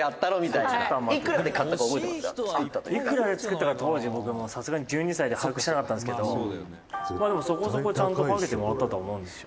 「いくらで作ったか当時、僕、さすがに１２歳で把握してなかったんですけどまあ、でも、そこそこちゃんとかけてもらったとは思うんですよ」